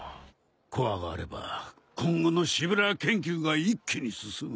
コアがあれば今後のシブラー研究が一気に進む。